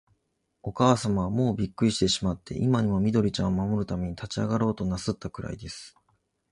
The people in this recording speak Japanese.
おかあさまは、もうびっくりしてしまって、今にも、緑ちゃんを守るために立ちあがろうとなすったくらいです。